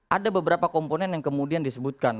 ada beberapa komponen yang kemudian disebutkan